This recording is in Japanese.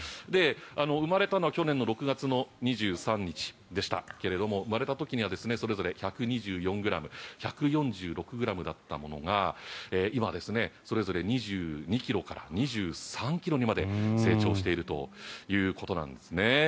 生まれたのは去年の６月２３日でしたが生まれた時にはそれぞれ１２４ｇ１４６ｇだったものが今はそれぞれ２２ｋｇから２３ｋｇにまで成長しているということなんですね。